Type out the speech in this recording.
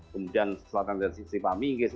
kemudian selatan dari sisi paminggis